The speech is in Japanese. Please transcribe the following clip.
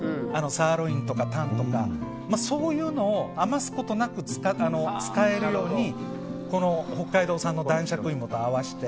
サーロインとかタンとかそういうのを余すことなく使えるように北海道産の男爵イモと合わせて。